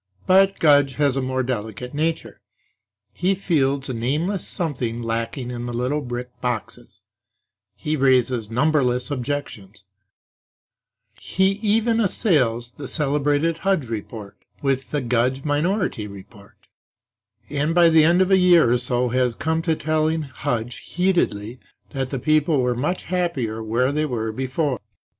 But Gudge has a more delicate nature. He feels a nameless something lacking in the little brick boxes; he raises numberless objections; he even assails the celebrated Hudge Report, with the Gudge Minority Report; and by the end of a year or so has come to telling Hudge heatedly that the people were much happier where they were before.